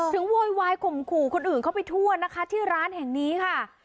โวยวายข่มขู่คนอื่นเข้าไปทั่วนะคะที่ร้านแห่งนี้ค่ะ